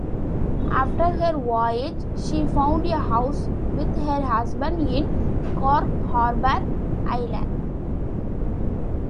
After her voyage, she found a house with her husband in Cork Harbour, Ireland.